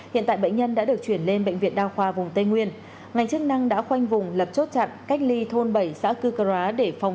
hiện tại bệnh nhân đã được chuyển lên bệnh viện đa khoa vùng tây nguyên